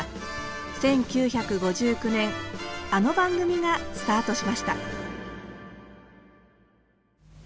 １９５９年あの番組がスタートしました